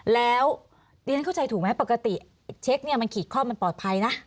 แล้วนรข่าวใช่ถูกไหมปรกติเนี้ยแต่มันขี่ข้อมันปลอดภัยนะ